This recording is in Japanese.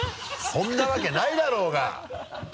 そんなわけないだろうが！